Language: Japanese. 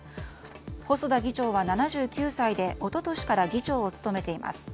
細田議長は７９歳で一昨年から議長を務めています。